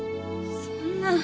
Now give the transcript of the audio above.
そんな！